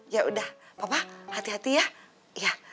yaudah papa hati hati ya